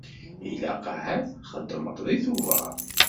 Ilaq ahat txedmeḍ-t deg Tubeṛ.